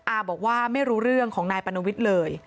อาบอกว่าไม่รู้เรื่องของนายปรณวิทย์เลย